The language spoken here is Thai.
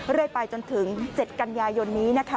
เรื่อยไปจนถึง๗กันยายนนี้นะคะ